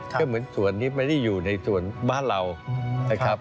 ก็เหมือนสวนนี้ไม่ได้อยู่ในสวนบ้านเรา